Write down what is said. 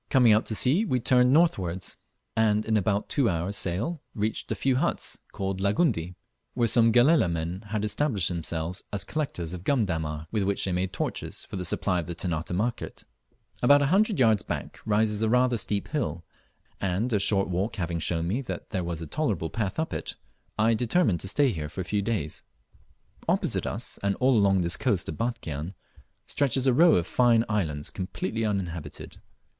Coming out to sea we turned northwards, and in about two hours' sail reached a few huts, called Langundi, where some Galela men had established themselves as collectors of gum dammar, with which they made torches for the supply of the Ternate market. About a hundred yards back rises a rather steep hill, and a short walk having shown me that there was a tolerable path up it, I determined to stay here for a few days. Opposite us, and all along this coast of Batchian, stretches a row of fine islands completely uninhabited.